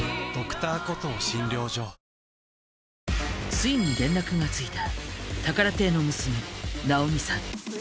ついに連絡がついた宝亭の娘ナオミさん。